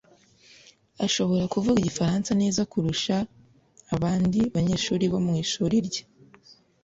ashobora kuvuga igifaransa neza kurusha abandi banyeshuri bo mu ishuri rye.